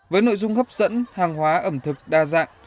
với nội dung hấp dẫn hàng hóa ẩm thực đa dạng